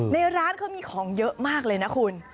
ในร้านเขามีของเยอะมากเลยนะคุณ